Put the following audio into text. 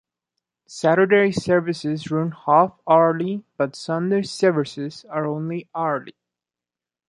Saturday services run half-hourly, but Sunday services are only hourly.